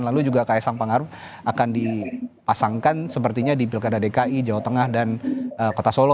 lalu juga kaisang pangaru akan dipasangkan sepertinya di pilkada dki jawa tengah dan kota solo